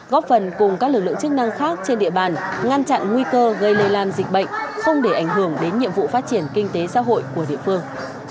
góp phần cùng các lực lượng chức năng khác trên địa bàn ngăn chặn nguy cơ gây lây lan dịch bệnh không để ảnh hưởng đến nhiệm vụ phát triển kinh tế xã hội của địa phương